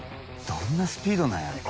どんなスピードなんやろ。